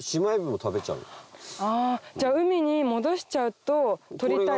じゃあ海に戻しちゃうととりたい魚が。